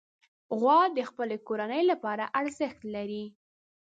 غوا د خپلې کورنۍ لپاره ارزښت لري.